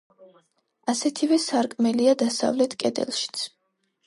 ასეთივე სარკმელია დასავლეთ კედელშიც.